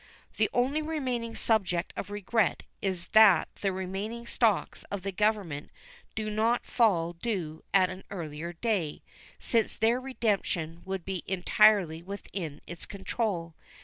The only remaining subject of regret is that the remaining stocks of the Government do not fall due at an earlier day, since their redemption would be entirely within its control.